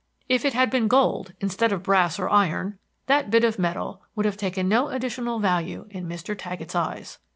If it had been gold, instead of brass or iron, that bit of metal would have taken no additional value in Mr. Taggett's eyes.